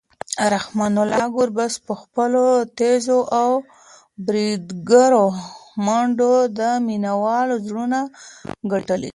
رحمان الله ګربز په خپلو تېزو او بریدګرو منډو د مینوالو زړونه ګټلي دي.